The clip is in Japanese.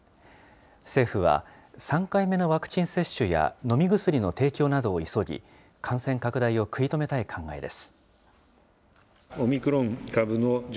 政府は、３回目のワクチン接種や飲み薬の提供などを急ぎ、感染拡大を食い止めたい考えです。